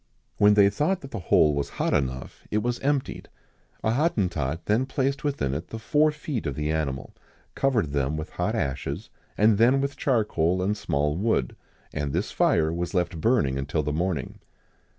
When they thought that the hole was hot enough, it was emptied: a Hottentot then placed within it the four feet of the animal, covered them with hot ashes, and then with charcoal and small wood; and this fire was left burning until the morning.